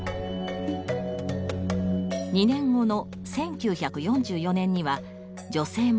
２年後の１９４４年には女性もその対象に。